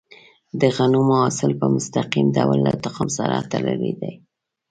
د غنمو حاصل په مستقیم ډول له تخم سره تړلی دی.